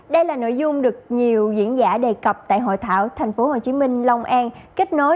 đây là nội dung được nhiều diễn giả đề cập tại hội thảo tp hcm long an kết nối